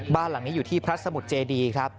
บ้านหลังนี้อยู่ที่พระสมุทรเจดีครับ